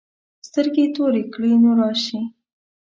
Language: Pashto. سترګې تورې کړې نو راشې.